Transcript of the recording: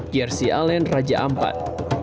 gersi alen raja ampat